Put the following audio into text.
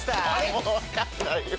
もう分かんないよ。